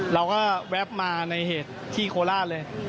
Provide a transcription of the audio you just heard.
เราก็แว๊บมาในเหตุที่โคลาสเลย